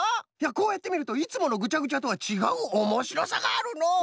こうやってみるといつものぐちゃぐちゃとはちがうおもしろさがあるのう。